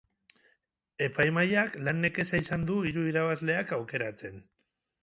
Epaimahaiak lan nekeza izan du hiru irabazleak aukeratzen.